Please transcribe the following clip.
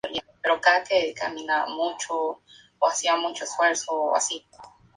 Todas las canciones de su álbum fueron escritas por ella.